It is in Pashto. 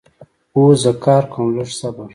اوس زه کار کوم لږ صبر